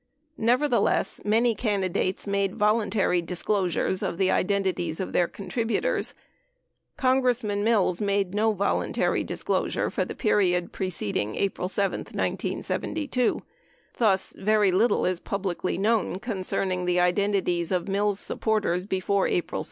Nevertheless, many candidates made voluntary disclosures of the identities of their con tributors. Congressman Mills made no voluntary disclosure for the period preceding April 7, 1972. 6 Thus, very little is publicly known concerning the identities of Mills supporters before April 7.